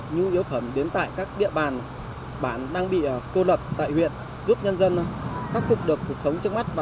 như yếu phẩm đến tại các địa bàn bản đang bị cô lập tại huyện giúp nhân dân